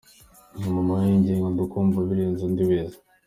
Mama we nge ndakumva birenze undi wese.